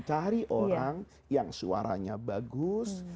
cari orang yang suaranya bagus